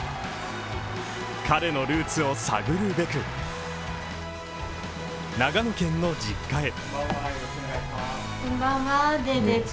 彼のルーツを探るべく長野県の実家へ。